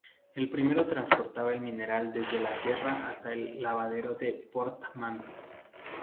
El primero transportaba el mineral desde la Sierra hasta el lavadero de Portmán.